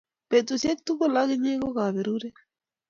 petusiek tugul ak unye ko kabaruret